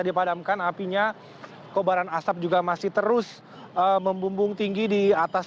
dipadamkan apinya kobaran asap juga masih terus membumbung tinggi di atas